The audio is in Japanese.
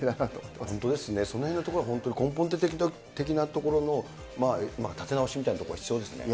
そのへんのところは、根本的なところの立て直しみたいなところが必要ですね。